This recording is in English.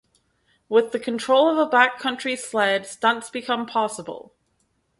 With the control of a backcountry sled, stunts become possible.